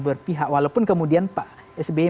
berpihak walaupun kemudian pak sby